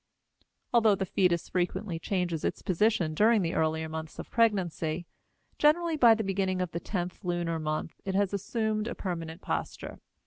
Although the fetus frequently changes its position during the earlier months of pregnancy, generally by the beginning of the tenth lunar month it has assumed a permanent posture.